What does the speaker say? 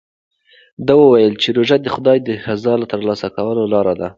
ده وویل چې روژه د خدای د رضا ترلاسه کولو لاره ده.